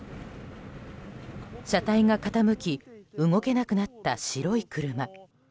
車体が傾き動けなくなった白い車。